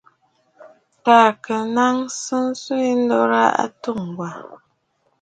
Taà kɨ naŋsə swɛ̌ ndurə a atû Ŋgwà.